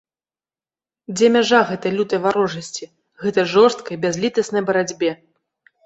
Дзе мяжа гэтай лютай варожасці, гэтай жорсткай бязлітаснай барацьбе?